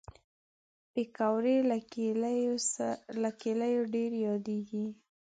پکورې له کلیو ډېر یادېږي